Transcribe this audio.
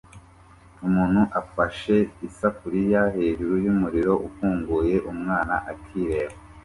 Umuntu afashe isafuriya hejuru yumuriro ufunguye umwana akireba